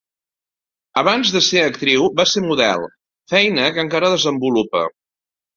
Abans de ser actriu, va ser model, feina que encara desenvolupa.